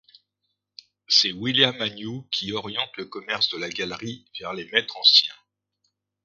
C'est William Agnew qui oriente le commerce de la galerie vers les maîtres anciens.